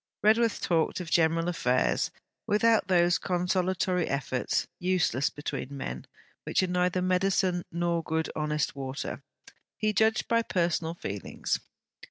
Redworth talked of general affairs, without those consolatory efforts, useless between men, which are neither medicine nor good honest water: he judged by personal feelings.